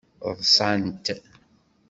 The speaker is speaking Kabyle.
Ḍṣant.